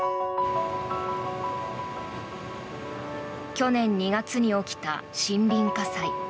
去年２月に起きた森林火災。